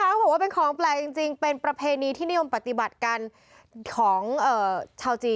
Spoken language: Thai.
เขาบอกว่าเป็นของแปลกจริงเป็นประเพณีที่นิยมปฏิบัติกันของชาวจีน